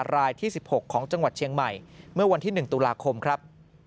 รายที่๑๖ของจังหวัดเชียงใหม่เมื่อวันที่๑ตุลาคมครับ